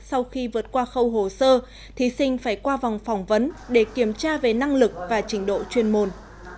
sau khi vượt qua khâu hồ sơ thí sinh phải qua vòng phỏng vấn để kiểm tra về năng lực và trình độ chuyên môn